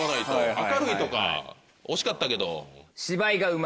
「明るい」とか惜しかったけど。